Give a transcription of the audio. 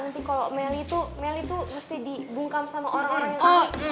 nanti kalau mel itu mel itu mesti dibungkam sama orang orang yang